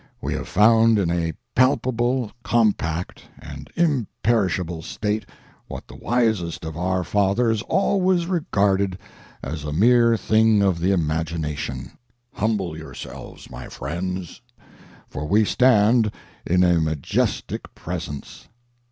We have found in a palpable, compact, and imperishable state what the wisest of our fathers always regarded as a mere thing of the imagination. Humble yourselves, my friends, for we stand in a majestic presence.